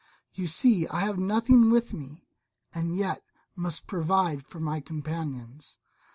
You see I have nothing with me, and yet must provide for my companions.